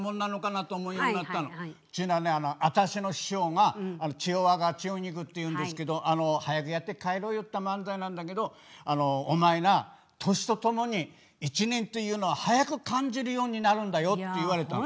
私の師匠が千代若・千代菊っていうんですけど「早くやって帰ろうよ」っていった漫才なんだけど「お前な年とともに１年というのは早く感じるようになるんだよ」って言われたの。